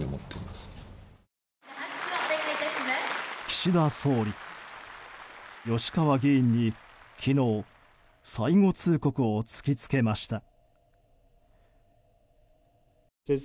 岸田総理、吉川議員に昨日最後通告を突きつけました。